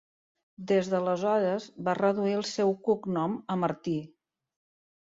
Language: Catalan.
Des d'aleshores va reduir el seu cognom a Martí.